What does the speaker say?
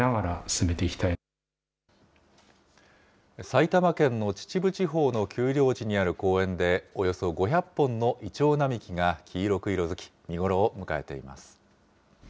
埼玉県の秩父地方の丘陵地にある公園で、およそ５００本のイチョウ並木が黄色く色づき、見頃を迎えています。